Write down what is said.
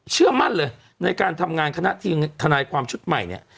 เชื่อมั่นเลยในการทำงานคณะทีมทนายความชุดใหม่เนี่ย